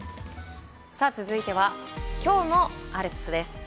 続いてはきょうのアルプスです。